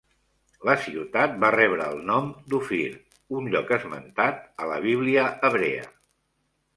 La ciutat va rebre el nom d'Ophir, un lloc esmentat a la Bíblia hebrea.